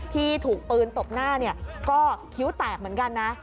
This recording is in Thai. ที่ถูกปืนตบหน้าก็คิ้วแตกเหมือนกันนะ